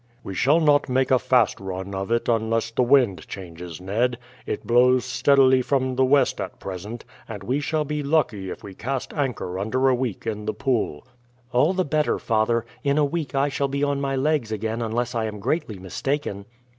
"We shall not make a fast run of it unless the wind changes, Ned. It blows steadily from the west at present, and we shall be lucky if we cast anchor under a week in the Pool." "All the better, father. In a week I shall be on my legs again unless I am greatly mistaken."